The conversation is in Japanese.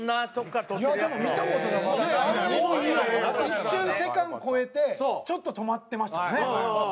一瞬セカンド越えてちょっと止まってましたもんね。